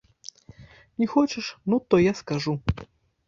Не хочаш, ну, то я скажу.